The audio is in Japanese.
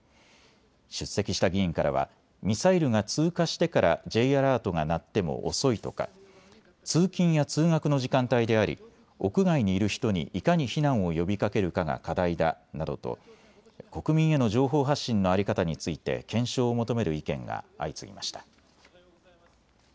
出席した議員からはミサイルが通過してからＪアラートが鳴っても遅いとか通勤や通学の時間帯であり屋外にいる人にいかに避難を呼びかけるかが課題だなどと国民への情報発信の在り方について検証を求める意見が相次ぎました。